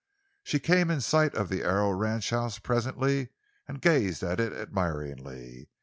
She came in sight of the Arrow ranchhouse presently, and gazed at it admiringly.